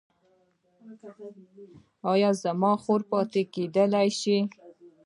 ایا زما خور پاتې کیدی شي؟